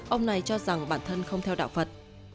ông này cho rằng bản thân không theo đạo phật